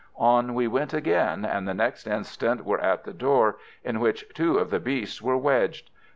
On we went again, and the next instant were at the door, in which two of the beasts were wedged.